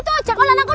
kalau gak pernah yakin